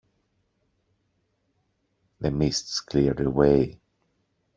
The mists cleared away.